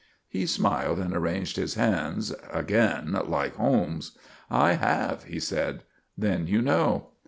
He smiled and arranged his hands again like Holmes. "I have," he said. "Then you know?"